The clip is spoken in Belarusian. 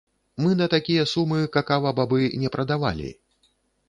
Мы на такія сумы какава-бабы не прадавалі!